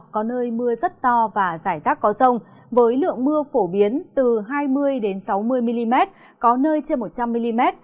có nơi mưa rất to và rải rác có rông với lượng mưa phổ biến từ hai mươi sáu mươi mm có nơi trên một trăm linh mm